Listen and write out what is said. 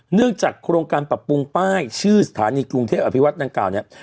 เนื่องจากโครงการปรับปรุงป้ายชื่อสถานีกรุงเทพอภิวัตดังกล่าวเนี่ย